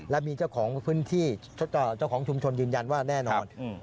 และมีเจ้าของพื้นที่เจ้าของชุมชนยืนยันว่าแน่นอน